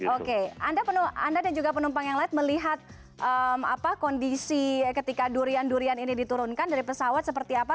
oke anda dan juga penumpang yang lain melihat kondisi ketika durian durian ini diturunkan dari pesawat seperti apa